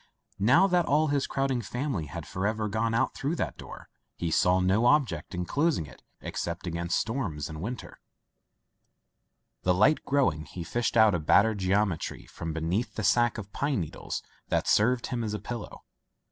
Now that all his crowding family had forever gone out through that door, he saw no object in closing it except against storms and winter. Digitized by LjOOQ IC Son of the Woods The light growing, he fished out a battered geometry from beneath the sack of pine needles that served him as a pillow.